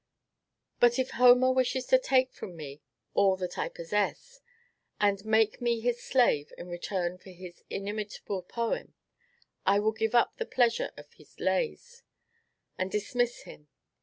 But, if Homer wishes to take from me all that I possess, and make me his slave in return for his inimitable poem, I will give up the pleasure of his lays, and dismiss him.